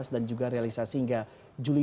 dan juga realisasi hingga jualan